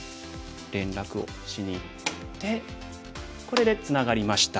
連絡をしにいってこれでツナがりました。